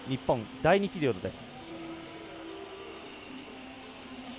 第２ピリオドです。